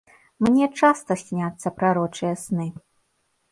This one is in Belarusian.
Мне часта сняцца прарочыя сны.